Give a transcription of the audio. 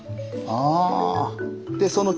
ああ。